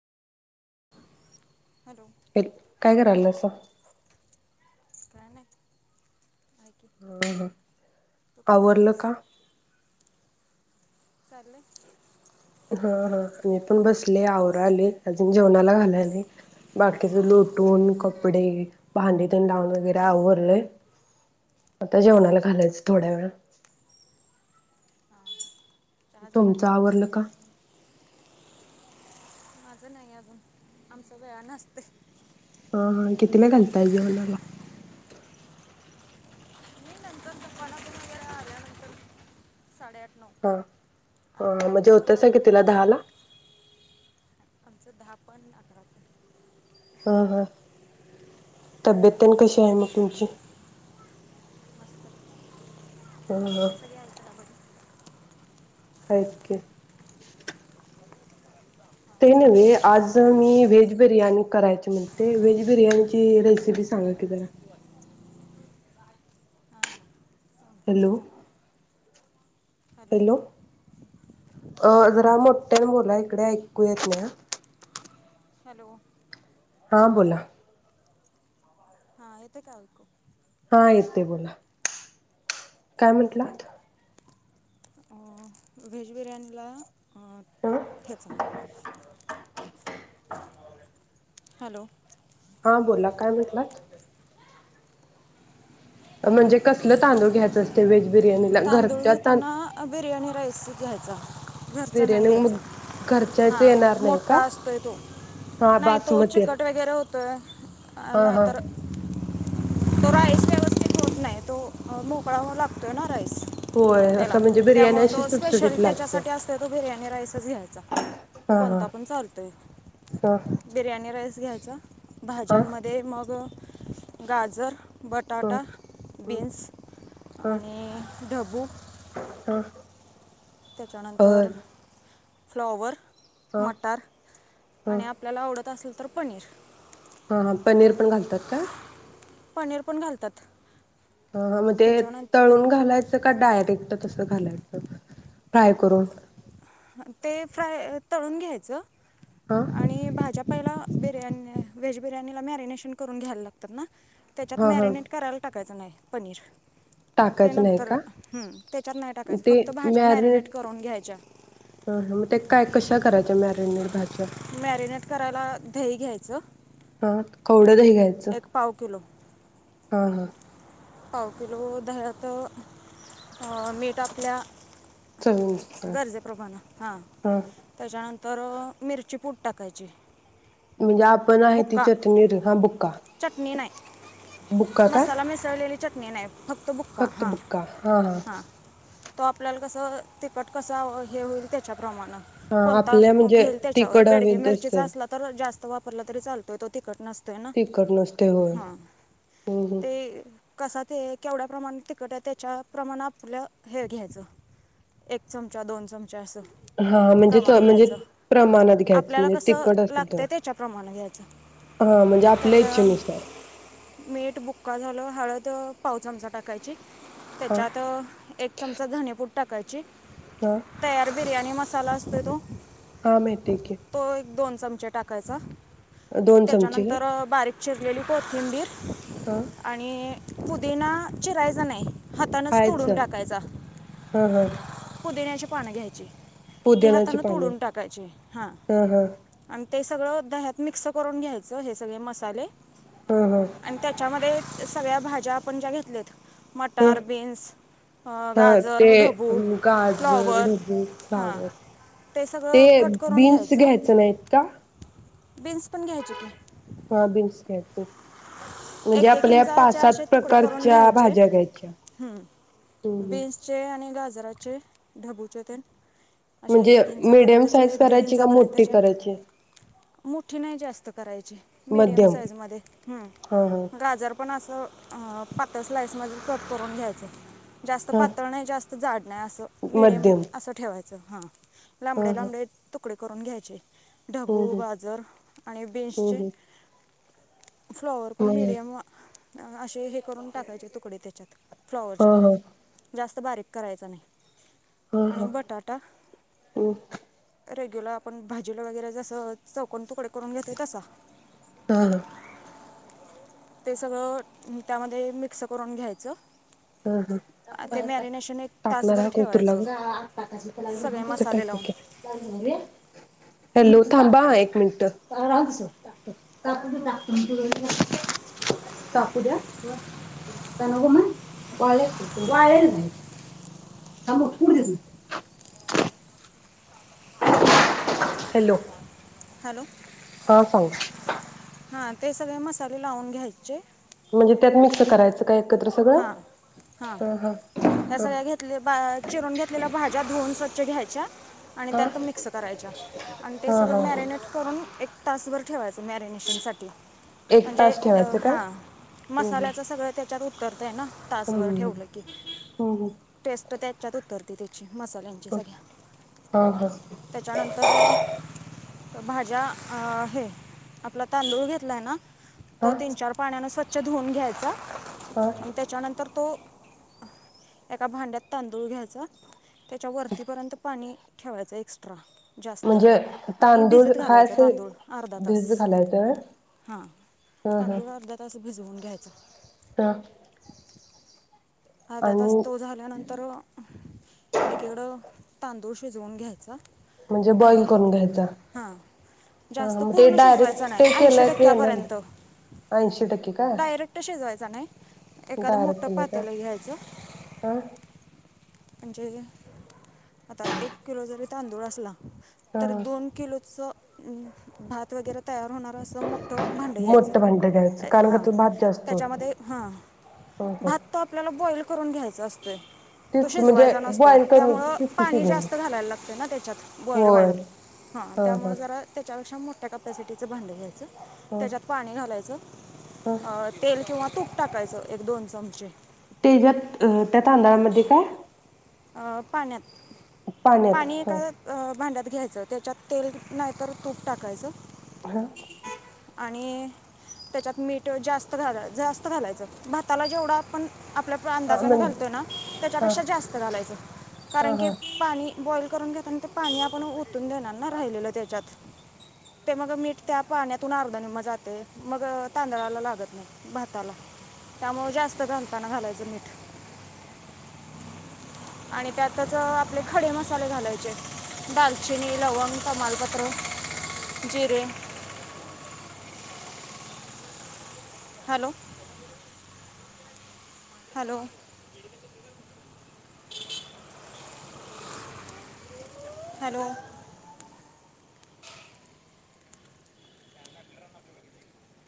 Hello हे काय कराल असं? काय नाही. [unintelligible] तू काय आवरलं करतेस का? चाललंय. ह ह मी पण बसले आवराले अजून जेवणाला घालायला नाही बाकीचे लोटून कपडे भांडे [unintelligible] चहा पाणी आवरलं ये. आता जेवणाला घालायचं थोड्या वेळा हां चहा झाला का तुमचं नाही आवरलं का? माझं नाही अजून आमच वेळान असतय. हा हा कितीला घालताय जेवणाला. [unintelligible] साडे आठ. हा हा म जेवतासा आवरून कितीला दहाला? यायचं आमचं दहा पण अकरा पण. हा हा किती तब्येत तेन होईल तेवढा कशी हाय मग वेळ तुमची. मस्त ह ह. मला [unintelligible] सगळी ऐका बरी हाईत की. ते नव्हे आज मी व्हेज बिर्याणी करायची म्हणते व्हेज बिर्याणीची रेसिपी सांगा की जरा. हां हां सांगते हॅलो. हॅलो. अ हॅलो जरा मोठ्याने बोला इकडे ऐकू येत नाई हा. हॅलो. हा बोला. हा एतोय का आवाज. हा येतेय बोला. काय म्हंटलात. व्हेज बिर्याणीला ह [unintelligible] हॅलो. हा बोला काय म्हतलात? म्हणजे कसलं तांदूळ घ्यायचं असतय. तांदूळ घेताना बिर्याणी राईस घ्यायचा. घरचा नाही बिर्याणी घ्यायचा मग घरच्याच हा येणार नाही मोठा का असतोय तो हा नाही तो बासमती चिकट वगैरे होतोय हा नाही हा तर तो राईस व्यवस्थित होत नाही, तो मोकळा व्हाय लागतोय ना. राईस होय त्याला असं म्हणजे बिर्याणी त्यामुळं अशी तो स्पेशल सुटसुटीत लागते त्याच्यासाठी असतोय तो बिर्याणी राईसच घ्यायचा, हा हा कोणता पण चालतोय. हा बिर्याणी राईस घ्यायचा हा भाज्यांमध्ये मग गाजर बटाटा, ह बिन्स आणि ढबु हां. त्याच्यानंतर फ्लॉवर ह मटार ह आणि आपल्याला आवडत असल तर पनीर हा हा पनीर पण घालतात काय? पनीर पण घालतात. हा म ते त्याच्यानंतर तळून घालायचं का डायरेक्ट? तस घालायचं फ्राय करून. ते फ्राय तळून घ्यायचं. हा आणि भाज्या पहिला बिर्याणी व्हेज बिर्याणीला मॅरिनेशन करून घ्यायला लागतात ना. त्याच्यात हा हा मॅरिनेट करायला टाकायचं नाही, पनीर त्या टाकायचं नाही नंतर का? हम्म त्याच्यात नाही टाकायचं ते फक्त भाज्या मॅरिनेट करून घ्यायच्या. ह ह मग ते काय कशा करायच्या? मॅरीनेट भाजी. मॅरिनेट करायला दही घ्यायचं. हा कवडं एक पाव किलो हां हां. पाव किलो दह्यात मीठ आपल्या चवीनुसार गरजे प्रमाण हा त्याच्यानंतर मिरची पुड टाकायची. म्हणजे आपण आहे ती बुक्का चटणी र हा चटणी नाही बुक्का-बुक्का काय? चटनी नाही. फक्त बुक्का फक्त हां बुक्का हा हा हां तो आपल्याला कसं तिखट कसा हे होईल त्याच्यात प्रमाणा हा कोणता आपल्या म्हणजे घेल त्याच्यावर तिखट हवी बेडगे मिरचीचा तसं असला तर जास्त वापर भरला तरी चालतोय तिखट नस तिखट नसते होय हं हं ते कसा ते केवढ्या प्रमाणात तिखट आहे, त्याच्याप्रमाणे आपलं हे घ्यायचं एक चमचा दोन चम हा म्हणजे त म्हणजे प्रमाणात घ्यायचं तिखट असल तर प्रमाण घ्यायच हा म्हणजे आपल्या त्याच्या इच्छेनुसार मीठ बुक्का झालं हळद पाव चमचा टाकायची. हा त्याच्यात एक चमचा धने पुड टाकायची तर तयार बिर्याणी मसाला असतोय तो हा माहिती आहे की तो एक दोन चमचे टाक कायचा दोन चमचे घे चिरलेली कोथिंबीर आणि पुदिना चिरायचा नाही हातानच हायच तोडून टाकायचा हा हा पुदिन्याच्या पान घ्यायची ते पुदिनाची हातान पाने तोडून टाकायची हा आण ते सगळं दह्यात मिक्स करून घ्यायचं हे सगळे मसाले. हा हा आणि त्याच्यामध्ये सगळ्या भाज्या आपण ज्या घेतलेत. तर गाजर ते ढबू गाजर, फ्लॉवर ढबू हां सावण ते सगळं कट करून बीन्स घ्यायचं नाहीत का? बीन्स पण घ्यायचे की हा बीन्स घ्यायचे म्हणजे एक एक आपल्या इंचाचे पाच सात असे तुकडे करून प्रकारच्या घ्यायचे भाज्या घ्यायच्या हं. हं बीन्सचे आणि गाजराचे, ढबूचे तेन अशे एक म्हणजे एक मीडियम इंचापर्यंतचे साईज एक दीड करायची का मोठी इंचापर्यंतचे करायची मुठी नाही जास्त. कराय मीडियम मध्यम साईज मध्ये हा हा हम्म गाजर पण पण असं पातळ स्लाईस मध्ये कट करून घ्यायचं. जास्त हा पातळ नाही, जास्त जाड नाही असं मिडियम मध्यम असं ठेवायचं. च हा. हा लामबडे हा लामबडे तुकडे तुकडे करून घ्यायचे. ढबू, हम्म गाजर आणि हम्म बीन्सचे. हम्म फ्लॉवर पण हम्म मिडीयम असे हे करून टाकायचे तुकडे त्याच्यात. हा फ्लॉवरच्या पण, हा जास्त बारीक करायचा नाही. हा आणि ह बटाटा हम्म. रेग्युलर आपण भाजीला वगैरे जसं च कोण तुकडे करून घेतोय तसा. हा हा ते सगळं त्यामध्ये मिक्स करून घ्यायचं. ह ह आ, ते मॅरिनेशन एक टाकणार तासभर कोतुर ला ठेवायचं सगळे मसाले लावून [unintelligible] हॅलो थांबा एक मिंट. टाकू द्या? काय नको म. वाळे असतील की? वाळलेलच हाइथ. थांब [unintelligible] हॅलो हॅलो ह सांग. हा ते सगळे मसाले लावून घ्यायचे. म्हणजे त्यात मिक्स करायचं काय हा हा ह्या सगळ्या घेत चिरून घेतलेल्या भाज्या धुऊन स्वच्छ घ्यायच्या. आणि ह त्यात ह मिक्स करायच्या, आणि ते ह सगळं ह मॅरिनेट करून एक तासभर ठेवायचं मॅरिनेशन साठी. एक म्हणजे तास अ ठेवायचं का हा. हम्म मसाल्याच सगळ त्या तर ना तासभर हम्म ठेवलं की. हम्म टेस्ट त्याच्यात उत्तरते ते त्याची मसाल्यांची हम्म सगळ्या. हा हा त्याच्यानंतर भाज्या अ हे आपला तांदूळ घेतलाय ना? तो हा तीन चार पाण्यानं स्व च्छ धुऊन घ्यायचा. हा आणि त्याच्यानंतर. तो, एका भांड्यात तांदूळ घ्यायच. त्याच्या वरतीपर्यंत पाणी ठेवायचं एक्स्ट्रा. जास्त, म्हणजे आणि तांदूळ भिजत हा घालायच. असे तांदूळ अर्धा तास भिजत घालायच होय हा ह ह तांदूळ अर्धा तास. भिजवून घ्यायचं. ह. अर्धा आणि तास तो झाल्यानंतर, एकीकडं तांदूळ शिजवून घ्यायचा. म्हणजे बॉइल आणि करून घ्यायच. हां जास्त ते पूर्ण शिजवायचा डायरेक्ट नाही केल ऐंशी की ते येणार नाही. टक्क्यापर्यंत ऐंशी टक्के का, डायरेक्ट डायरेक्ट का तेल ही घ्यायचं. ह म्हणजे, आता एक किलो जरी तांदूळ असला. तर ह दोन किलोच. हम भात वगैरे तयार होणार असं मोठं भांड घ्यायचं, मोठं भांड घ्यायचं कारण का आणि ते भात जास्त होतो त्याच्यामध्ये हा ह ह भात तो आपल्याला बॉईल करून घ्यायचं. [unintelligible] तो तेच की म्हणजे शिजवायचा नसतोय, बॉईल करून त्यामुळं तेच की पाणी शिजवून जास्त घालायला लागतेना. त्याच्यात बॉइल होय व्हायला हा हां हां त्यामुळे जरा त्याच्यापेक्षा मोठ त्या कॅपॅसिटीच भांड घ्यायचं. हां त्याच्यात पाणी घालायचं हां अ तेल किंवा, तूप टाकायचं, एक दोन चमचे. ते ज्यात त्या तांदळामध्ये काय? अ पाण्यात. पाण्यात पाणी एका हां अ भांड्यात. घ्यायचं त्याच्यात तेल नाही तर तूप टाकायचं. हा. आणि, त्याच्यात मीठ जास्त घाला जास्त घालायचं भाताला जेवढं आपण आपल्या आपण अंदाजाने म्हणजे घालतोय, ना हां त्याच्यापेक्षा जास्त. घालायचं, कारण हां की हां पाणी. बॉईल करून घेतान ते पाणी आपण ओतून देणार ना राहिलेलं त्याच्यात, ते मग मीठ त्या पाण्यातून अर्ध निम्म जातंय मग तांदळाला लागत नाही. भाताला त्यामुळे जास्त घालताना घालायचं मीठ. आणि त्यातच आपले खडे मसाले घालायचे दालचिनी, लवंग, तमालपत्र जिरे. हॅलो. हॅलो. हॅलो.